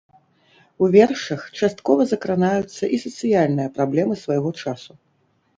У вершах часткова закранаюцца і сацыяльныя праблемы свайго часу.